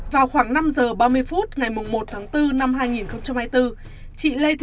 vào khoảng năm giờ ba mươi phút ngày một tháng bốn năm hai nghìn hai mươi bốn